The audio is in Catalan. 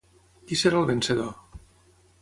Qui serà el vencedor?